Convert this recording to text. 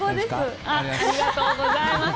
ありがとうございます。